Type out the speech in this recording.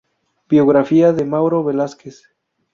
Biografía de Mauro Velásquez